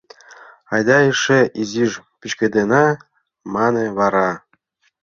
Айда эше изиш пӱчкедена, — мане вара.